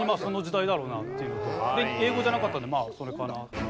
で英語じゃなかったんでまあそれかな。